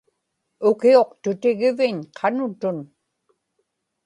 ukiuqtutigiviñ qanutun